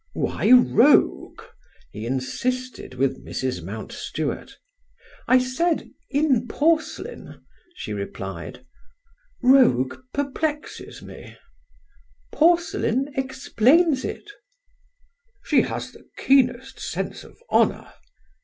"Why rogue?" he insisted with Mrs. Mountstuart. "I said in porcelain," she replied. "Rogue perplexes me." "Porcelain explains it." "She has the keenest sense of honour."